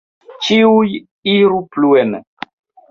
Ĉiuj iru pluen!